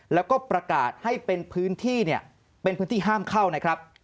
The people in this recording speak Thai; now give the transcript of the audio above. แล้วก็ประกาศให้เป็นพื้นที่ห้ามเข้านะครับ